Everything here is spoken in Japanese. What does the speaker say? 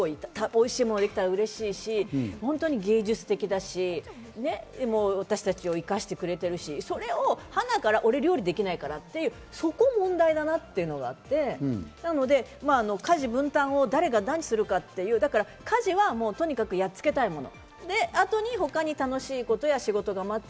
おいしいものができたらうれしいし、芸術的だし、私たちを生かしてくれているし、それをはなから俺、料理できないからって、そこが問題だなっていうのがあって家事分担を誰が何するかっていう、家事はとにかくやっつけたいもの。